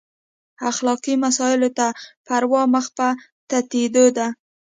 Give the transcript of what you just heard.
اخلاقي مسایلو ته پروا مخ په تتېدو ده.